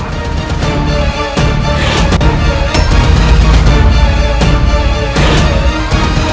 jangan lupa menerima ayah anda